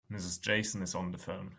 Mrs. Jason is on the phone.